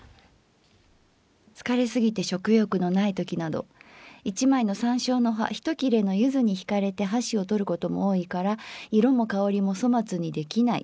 「疲れすぎて食欲のないときなど一枚の山椒の葉一切れの柚子にひかれて箸をとることも多いから色も香りも粗末に出来ない。